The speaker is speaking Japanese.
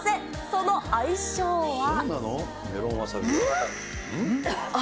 その相性は。